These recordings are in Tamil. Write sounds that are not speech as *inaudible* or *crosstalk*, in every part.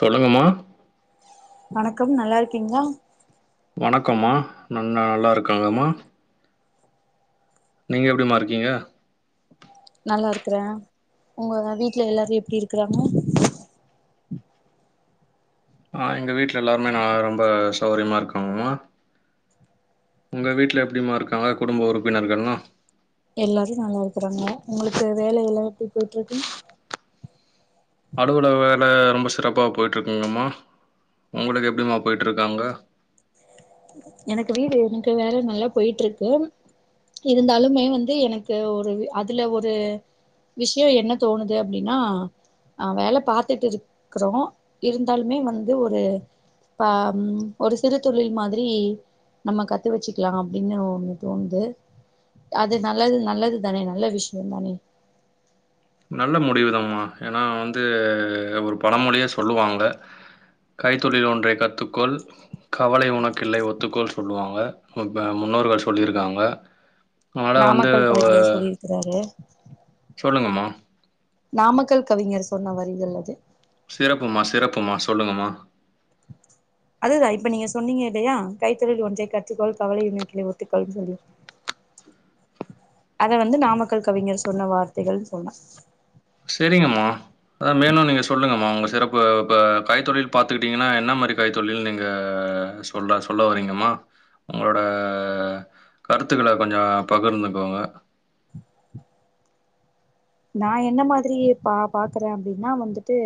சொல்லுங்கமா வணக்கம் நல்லா இருக்கீங்களா வணக்கம்மா நா நல்லா இருக்காங்கம்மா நீங்க எப்டிமா இருக்கீங்க நல்லா இருக்குறே உங்க வீட்ல எல்லாரு எப்புடி இருக்குறாங்க ஆ எங்க வீட்ல எல்லாருமே நா ரொம்ப சௌரியமா இருக்காங்கம்மா உங்க வீட்ல எப்புடிமா இருக்காங்க குடும்ப உறுப்பினர்கள்லா எல்லாரு நல்லா இருக்குறாங்க உங்களுக்கு வேலை எல்லா எப்டி போயிட்ருக்கு அலுவலக வேல ரொம்ப சிறப்பா போயிட்ருக்குங்கம்மா உங்களுக்கு எப்டிமா போயிட்ருக்கு அங்க எனக்கு வீடு எனக்கு வேல நல்லா போயிட்ருக்கு இருந்தாலுமே வந்து எனக்கு ஒரு அதுல ஒரு விஷியோ என்ன தோணுது அப்டின்னா ஆ வேல பாத்துட்டு இருக்குறோ இருந்தாலுமே வந்து ஒரு பா ஒரு சிறு தொழில் மாதி ரி நம்ம கத்து வச்சுக்கலா அப்டின்னு தோணுது அது நல்லது நல்லது தானே நல்ல விஷியோ தானே நல்ல முடிவுதாம்மா ஏனா வந்து ஒரு பழமொழியே சொல்லுவாங்க கைத்தொழில் ஒன்றை கத்துக்கொள் கவலை உனக்கில்லை ஒத்துக்கொள் சொல்லுவாங்க ப முன்னோர்கள் சொல்லிருக்காங்க மழ வந்து வ ருக்குறாரு சொல்லுங்க மா நாமக்கல் கவிஞர் சொன்ன வரிகள் அது சிறப்புமா சிறப்புமா சொல்லுங்கமா *inaudible* அதேதா இப்ப நீங்க சொன்னீங்க இல்லையா கைத்தொழில் ஒன்றை கற்றுக்கோள் கவலை உனக்கில்லை ஒத்துக்கொள்னு சொல்லி அத வந்து நாமக்கல் கவிஞர் சொன்ன வார்த்தைகள்னு சொன்னே செரிங்கம்மா அ மேலு நீங்க சொல்லுங்கம்மா உங்க சிறப்பு இப்ப கைத்தொழில் பாத்துக்கிட்டிங்கனா என்ன மாரி கைத்தொழில் நீங்க சொல்றா சொல்ல வரீங்கம்மா உங்களோட கருத்துக்கள கொஞ்ச பகிர்ந்துக்கோங்க நா என்ன மாதிரி பா பாக்குறே அப்டினா வந்துட்டு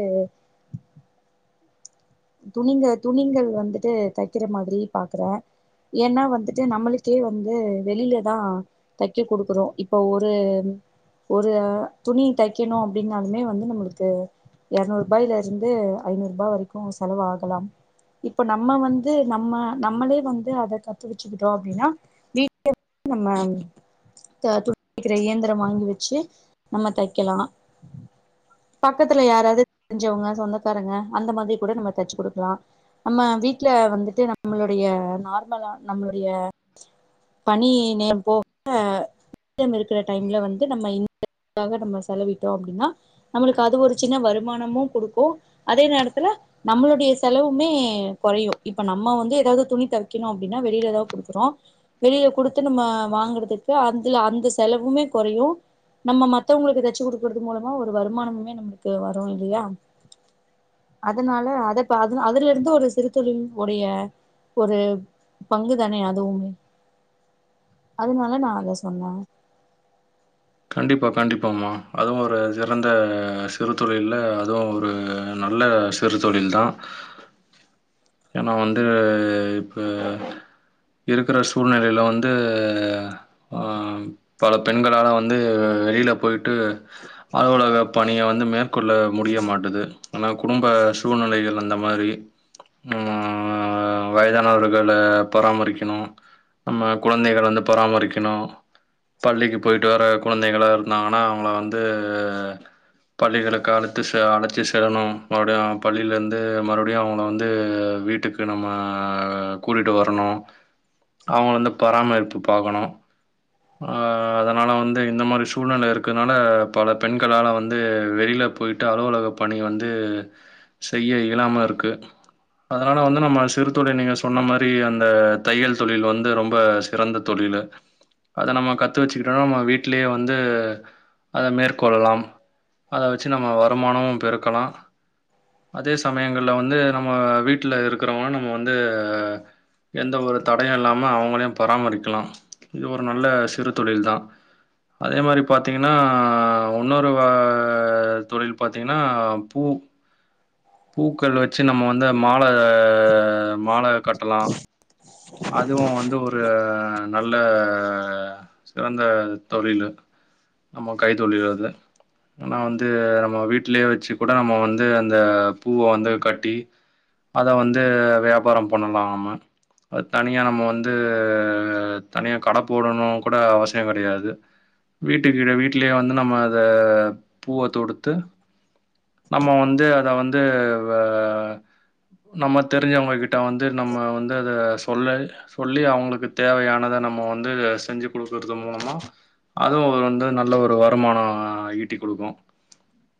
துணிங்க துணிங்கள் வந்துட்டு தக்கிற மாதிரி பாக்குறே ஏனா வந்துட்டு நம்மளுக்கே வந்து வெளில தா தக்கெ குடுக்குறோ இப்ப ஒரு ஒரு ஆ துணி தக்கெணு அப்டின்னாலுமே வந்து நம்மளுக்கு எரநூறுபாயில இருந்து ஐநூறுபா வரைக்கு செலவு ஆகலாம் இப்ப நம்ம வந்து நம்ம நம்மளே வந்து அத கத்து வெச்சுக்கிட்டோ அப்டினா வீட்டு *inaudible* நம்ம *inaudible* துக்கிற இயந்திரம் வாங்கி வெச்சு நம்ம தக்கெலா பக்கத்துல யாராவ்து தெரிஞ்சவ்ங்க சொந்தக்காரங்க அந்த மாதிரி கூட நம்ம தெச்சு குடுக்கலா நம்ம வீட்ல வந்துட்டு நம்மளுடைய நார்மலா நம்மளுடைய பணி நேரம் போக மீதம் இருக்கிற டைம்ல வந்து நம்ம இந்த துக்காக நம்ம செலவிட்டோ அப்டினா நம்மளுக்கு அது ஒரு சின்ன வருமானமு குடுக்கு அதே நேரத்துல நம்மளுடைய செலவுமே கொறையு இப்ப நம்ம வந்து எதாவ்து துணி தக்கெணு அப்டினா வெளிலதா குடுக்குறோ வெளில குடுத்து நம்ம வாங்குறதுக்கு அந்துல அந்த செலவுமே கொறையு நம்ம மத்தவ்ங்களுக்கு தச்சு குடுக்குறது மூலமா ஒரு வருமானமுமே நம்மளுக்கு வரு இல்லையா அதனால அத இப்ப அது அதுலருந்து ஒரு சிறுத்தொழில் உடைய ஒரு பங்கு தானே அதுவுமே அதனால நா அத சொன்னே கண்டிப்பா கண்டிப்பாம்மா அதுவு ஒரு சிறந்த சிறுத்தொழில் அதுவு ஒரு நல்ல சிறுத்தொழில் தா ஏனா வந்து இப்ப இருக்குற சூழ்நிலையில வந்து ஆம் பல பெண்களால வந் ந்து வெளில போய்ட்டு அலுவலக பணிய வந்து மேற்கொள்ள முடிய மாட்டுது ஆனா குடும்ப சூழ்நிலைகள் அந்த மாரி நம்ம வயதானவர்கள பராமரிக்கணு நம்ம குழந்தைகள் வந்து பராமரிக்கணு பள்ளிக்கு போயிட் ட்டு வர குழந்தைகளா இருந்தாங்கனா அவ்ங்கள வந்து பள்ளிகளுக்கு அழைத்து செ அழைச்சி செல்லணும் மறுபடியு பள்ளிலருந்து மறுபடியு அவ்ங்கள வந்து வீட் டுக்கு நம்ம கூட்டிட்டு வரணு அவ்ங்க வந்து பராமரிப்பு பாக்கணு அ அத னால வந்து இந்த மாரி சூழ்நிலை இருக்கிறதுனால பல பெண்களால வந்து வெளில போயிட்டு அலுவலக பணி வந்து செய்ய இயலாம இருக்கு அதனால வந்து நம்ம சிறு தொழில் நீங்க சொன்ன மாதிரி அந்த தையல் தொழில் வந்து ரொம்ப சிறந்த தொழில்லு அத நம்ம கத்து வச்சுக் கிட்டுனா நம்ம வீடலயே வந்து அத மேற்கொள்ளலாம் அத வச்சு நம்ம வருமான பெருக்கலா அதே சமயங்கள்ல வந்து நம்ம வீட்டுல இருக்கிறவங்க நம்ம வந்து எந்த ஒரு தடையு இல்லாமல் அவங்களையு பராமரிக்கலா இது ஒரு நல்ல சிறு தொழில் தான் அதே மாரி பாத்தீங்கன்னா ஒன்னொரு வா தொழில் பாத்தீங்கன்னா பூ பூக்கள் வச்சு நம்ம வந்து மால மால கட்டலா அதுவு வந்து ஒரு நல்ல சிறந்த தொழில்லு நம்ம கைத்தொழில் அது ஆனா வந்து நம்ம வீடலேயே வச்சு கூட நம்ம வந்து அந்த பூவ வந்து கட்டி அத வந்து வியாபாரம் பண்ணலா நம்ம அ தனியா நம்ம வந்து தனியா கட போடணு கூட அவசியம் கிடையாது வீட்டுக்கிட்டே வீட்லயே வந்து நம்ம அத பூவை தொடுத்து நம்ம வந்து அத வந்து வெ நம்ம தெரிஞ்சவங்ககிட்ட வந்து நம்ம வந்து அத சொல்ல சொல்லி அவங்களுக்கு தேவையானத நம்ம வந்து செஞ்சு கொடுக்குறது மூலமா அதுவு அவ வந்து நல்ல ஒரு வருமானம் ஈட்டி் கொடுக்கும்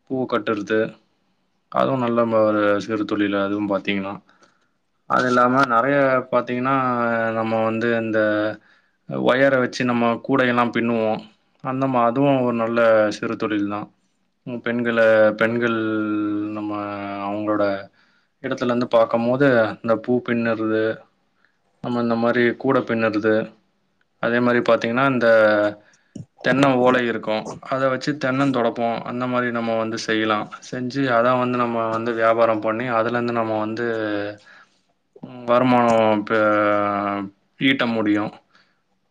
பூ கட்டுறது அதுவு நல்ல ஒரு சிறு தொழில் அதுவு பாத்தீங்கன்னா அது இல்லாம நெறையா பாத்தீங்கன்னா நம்ம வந்து இந்த ஒயரை வச்சு நம்ம கூட எல்லா பின்னுவோ அந்தமா அதுவு ஒரு நல்ல சிறு தொழில் தான் ம் பெண்களை பெண்கள் நம்ம அவங்களோட இடத்துல இருந்து பாக்க போது இந்த பூ பின்னுறுது நம்ம இந்த மாதிரி கூட பின்னுறது அதே மாதிரி பாத்தீங்கன்னா இந்த தென்ன ஓலை இருக்கு அத வச்சு தென்னன் தொடப்போ அந்த மாதிரி நம்ம வந்து செய்யலா செஞ்சு அதா வந்து வந்து நம்ம வந்து வியாபாரம் பண்ணி அதுல இருந்து நம்ம வந்து வருமானம் பெ ஈட்ட முடியு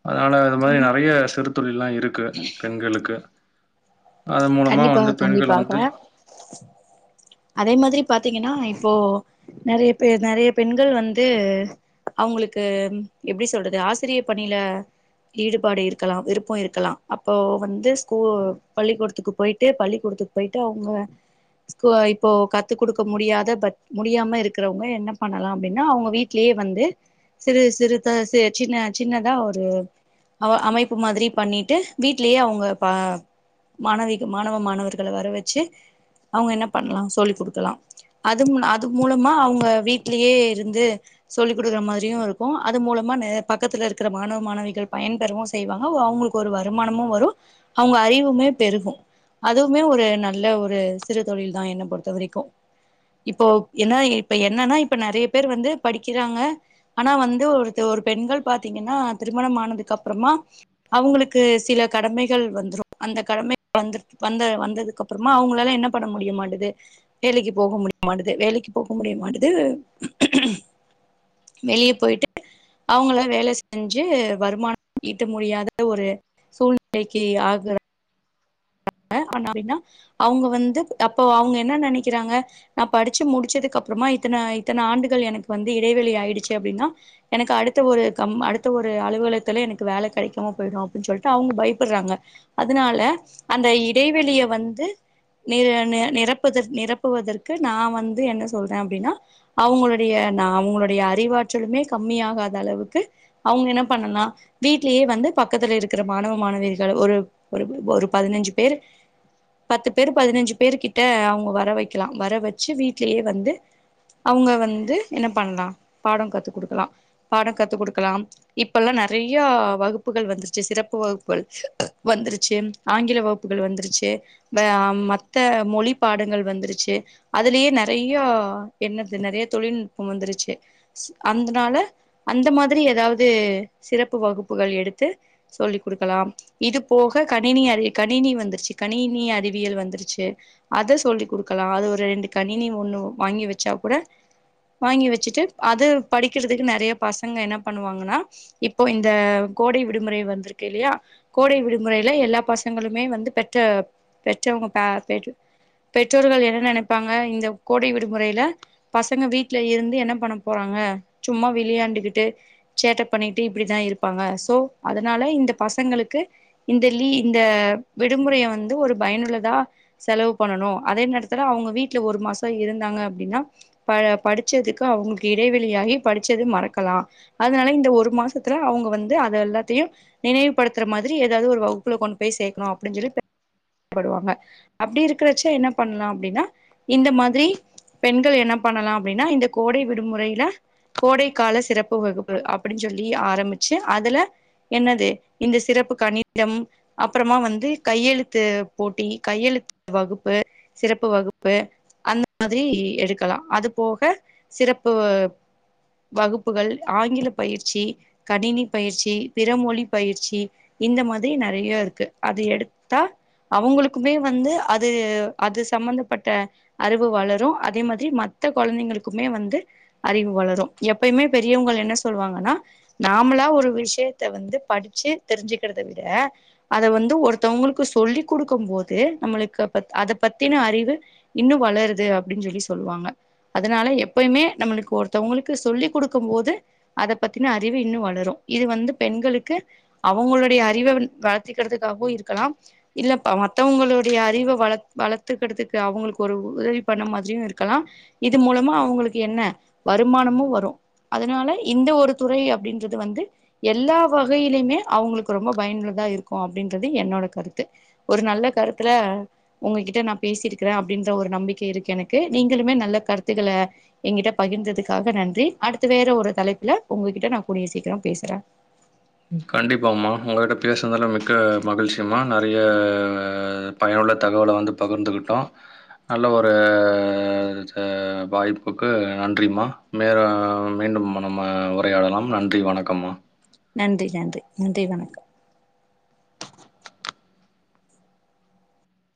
அதனால அது மாதிரி நெறையா சிறு தொழில் எல்லா இருக்கு பெண்களுக்கு அதன் மூலமாக கண்டிப்பா வந்து பெண்கள கண்டிப்பாக வந்து அதே மாதிரி பாத்தீங்கன்னா இப்போ நெறைய பேர் நெறையா பெண்கள் வந்து அவுங்குளுக்கு எப்டி சொல்றது ஆசிரிய பணியில ஈடுபாடு இருக்கலா விருப்போ இருக்கலா அப்போ வந்து ஸ்கூ பள்ளிக்கூடத்துக்கு போ போய்ட்டு பள்ளி கூடத்துக்கு போயிட்டு அவுங்க ஸ்கூ இப்போ கத்து குடுக்க முடியாத முடியாம இருக்குறவங்க என்ன பண்ணலாம் அப்டின்னா அவுங்க வீட் லயே வந்து சிறு சிறுத சி சின்ன சின்னதா ஒரு அ அமைப்பு மாதிரி பண்ணிட்டு வீட்லயே அவுங்க பா மாணவி மாணவ மாணவர்கள வர வச்சி அவுங்க என்ன பண்ணலா சொல்லிக் குடுக்கலா அது அது மூலமா அவுங்க வீட்லயே இருந்து சொல்லி குடுக்குற மாரியும் இருக்கு அது மூலமா பக்கத்துல இருக்கிற மாணவ மாணவிகள் பயன்பெறவு செய்வாங்க அவுங்குளுக்கு ஒரு வருமானமு வரு அவுங்க அறிவுமே பெருகு அதுவுமே ஒரு நல்ல ஒரு சிறு தொழில் தா என்ன பொறுத்த வரைக்கு இப்போ என்ன இப்ப என்னன்னா இப்ப நெறைய பேர் வந்து படிக்கிறாங்க ஆனா வந்து ஒருத்த ஒரு பெண்கள் பாத்தீங்கன்னா திருமணம் ஆனதுக்கு அப்றமா அவுங்குளுக்கு சில கடமைகள் வந்துரு அந்த கடமை வந்துற்க் வந்த வந்ததுக்கு அப்பறமா அவங்களலா என்ன பண்ண முடியமாட்டுது வேலைக்கு போக முடியமாட்டுது வேலைக்கு போக முடியமாட்டுது வெளிய போயிட்டு அவுங்களா வேல செஞ்சு வருமானம் ஈட்ட முடியாத ஒரு சூழ்நிலைக்கு ஆகுறா *inaudible* அப்டின்னா அவுங்க வந்து அப்போ அவுங்க என்ன நெனக்கிறாங்க நா படிச்சு முடிச்சதுக்கு அப்றமா இத்தன இத்தன ஆண்டுகள் எனக்கு வந்து இடைவெளி ஆயிடுச்சி அப்டின்னா எனக்கு அடுத்த ஒரு கம் அடுத்த ஒரு அலுவலகத்துல எனக்கு வேல கெடக்காம போயிடு அப்டின் சொல்ட்டு அவுங்க பயப்பட்றாங்க அதனால அந்த இடைவெளிய வந்து நி நிரப்பத நிரப்புவதற்கு நா வந்து என்ன சொல்றே அப்டின்னா அவுங்களுடைய நா அவுங்களுடைய அறிவாற்றலுமே கம்மி ஆகாத அளவுக்கு அவுங்க என்ன பண்ணலா வீட்லயே வந்து பக்கத்துல இருக்கிற மாணவ மாணவிகள் ஒரு ஒரு ஒரு பதினஞ்சு பேரு பத்து பேரு பதினஞ்சு பேரு கிட்ட அவுங்க வர வக்லா வர வச்சு வீட்லயே வந்து அவுங்க வந்து என்ன பண்லா பாட கத்து குடுக்லா பாட கத்து குடுக்கலாம் இப்பல்லா நெறையா வகுப்புகள் வந்துருச்சு சிறப்பு வகுப்புகள் வந்துருச்சு ஆங்கில வகுப்புகள் வந்துருச்சு வெ மத்த மொழி பாடங்கள் வந்துருச்சு அதுலேயே நெறைய என்னது நெறைய தொழில்நுட்பம் வந்துருச்சு அந்தனால அந்த மாதிரி ஏதாவது சிறப்பு வகுப்புகள் எடுத்து சொல்லி குடுக்கலாம் இது போக க ணினி அறி கணினி வந்துருச்சு கணினி அறிவியல் வந்துருச்சு அத சொல்லி் குடுக்கலா அது ஒரு ரெண்டு கணினி ஒண்ணு வாங்கி வச்சா கூட வாங்கி வச்சுட்டு அது படிக்கிறதுக்கு நெறைய பசங்க என்ன பண்ணுவாங்ன்னா இப்போ இந்த கோடை விடுமுறை வந்திருக்கு இல்லையா கோடை விடுமுறைல எல்லாம் பசங்களுமே வந்து பெற்ற பெற்றவங்க பே பெ பெற்றோர்கள் என்ன நெனப்பாங்க இந்த கோடை விடுமுறைல பசங்க வீட்ல இருந்து என்ன பண்ண போறாங்க சும்மா விளியாண்டுகிட்டு சேட்டப் பண்ணிட்டு இப்டிதா இருப்பாங்க சோ அதனால இந்த பசங்களுக்கு இந்த லீ இந்த விடுமுறைய வந்து ஒரு பயனுள்ளதா செலவு பண்ணணு அதே நேரத்துல அவுங்க வீட்ல ஒரு மாசோ இருந்தாங்க அப்டின்னா ப படிச்சதுக்கு அவுங்களுக்கு இடைவெளியாகி படிச்சது மறக்கலா அதனால இந்த ஒரு மாசத்துல அவுங்க வந்து அத எல்லாத்தையு நினைவுபடுத்துற மாதிரி ஏதாவது ஒரு வகு ப்புல கொண்டு போய் சேக்கணு அப்டின் சொல்லி படுவாங்க அப்டி இருக்றச்சே என்ன பண்லா அப்டின்னா இந்த மாதிரி பெண்கள் என்ன பண்ணலா அப்டின்னா இந்த கோடை விடுமுறைல கோடைக்கால சிறப்பு வகுப்பு அப்டின் சொல்லி ஆரம்பிச்சு அதுல என்னது இந்த சிறப்பு கணிதம் அப்பறமா வந்து கையெழு த்து போட்டி கையெழுத்து வகுப்பு சிறப்பு வகுப்பு அந்த மாதிரி எடுக்கலா அது போக சிறப்பு வகுப்புகள் ஆங்கில பயிற்சி கணினி பயிற்சி பிறமொழி பயிற்சி இந்த மாதிரி நெறைய இருக்கு அத எடு த்தா அவுங்களுக்குமே வந்து அது அது சம்பந்தப்பட்ட அறிவு வளரு அதே மாத்ரி மத்த கொழந்தைங்களுக்குமே வந்து அறிவு வளரு எப்பயுமே பெரியவங்கள் என்ன சொல்வாங்கன்னா நாம்ளா ஒரு விஷ்யத்த வந்து படுச்சி தெரிஞ்சுக்கற்த விட அத வந்து ஒருத்தவுங்ளுக் கு சொல்லி் குடுக்கம்போது நம்மளுக்க பத் அத பத்தின அறிவு இன்னு வளருது அப்டின் சொல்லி சொல்வாங்க அதுனால எப்பயுமே நம்மளுக்கு ஒருத்தவுங்ளுக்கு சொல்லி குடுக்கம்போது அத பத்தின அறிவு இன்னு வளரு இது வந்து பெண்களுக்கு அவங்களுடைய அறிவவின் வளத்திக்கற்துக்காகவு இருக்கலா இல்ல ப மத்தவுங்களுடைய அறிவ வள வளத்துக்கட்துக்கு அவுங்களுக்கு ஒரு உதவி பண்ண மாத்ரியு இருக்கலா இது மூலமா அவுங்களுக்கு என்ன வருமானமு வரு அதனால இந்த ஒரு துறை அப்டின்றது வந்து எல்லா வகையிலிமே அவுங்களுக்கு ரொம்ப பயனுள்ளதா இருக்கு அப்டின்றது என்னோட கருத் து ஒரு நல்ல கருத்துல ஒங்ககிட்ட நா பேசிருக்கிற அப்டின்ற ஒரு நம்பிக்கை இருக்கு எனக்கு நீங்களுமே நல்ல கருத்துகள ஏங்கிட்ட பகிர்ந்ததுக்காக நன்றி அடுத்து வேற ஒரு தலைப்புல ஒங்ககிட்ட நா கூடிய சீக்கிர பேசுற கண்டிப்பாம்மா உங்ககிட்ட பேஸ்னதால மிக்க மகிழ்ச்சிம்மா நறைய பயனுள்ள தகவல வந்து பகிர்ந்துக்குட்டோ நல்ல ஒரு த வாய்ப்புக்கு நன்றிமா மேற மீண்டும் நம்ம உரையாடலாம் நன்றி வணக்கம்மா நன்றி நன்றி நன்றி வணக்கம்